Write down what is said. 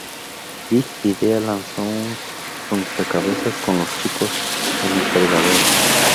Big Idea lanzó un rompecabezas con Los Chicos en el Fregadero.